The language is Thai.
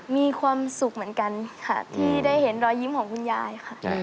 มีความสุขเหมือนกันค่ะที่ได้เห็นรอยยิ้มของคุณยายค่ะ